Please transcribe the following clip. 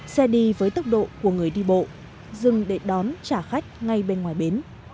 xe đi với tốc độ của người đi bộ dừng để đón trả khách ngay bên ngoài bến